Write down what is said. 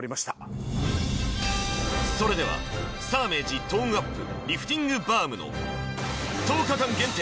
それではサーメージトーンアップリフティングバームの１０日間限定